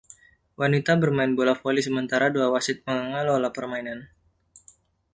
Wanita bermain bola voli sementara dua wasit mengelola permainan.